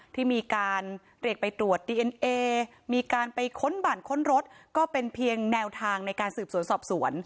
ที่มีการเรียกไปตรวจดีเอ็นเอมีการไปค้นบ่านค้นรถก็เป็นเพียงแนวทางในการสืบสวนสอบสวน